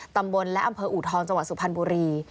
ตำบลและอำเภออูทองจังหวัดสุพรรณบุรี